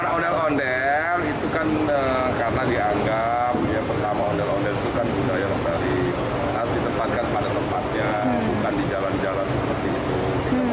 karena ondel ondel itu kan karena dianggap ya pertama ondel ondel itu kan budaya yang harus dihargai harus ditempatkan pada tempatnya bukan di jalan jalan seperti itu